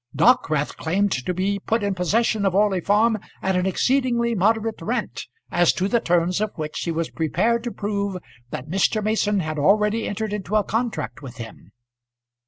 Dockwrath claimed to be put in possession of Orley Farm at an exceedingly moderate rent, as to the terms of which he was prepared to prove that Mr. Mason had already entered into a contract with him.